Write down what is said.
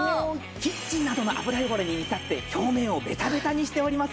キッチンなどの油汚れに見立てて表面をベタベタにしております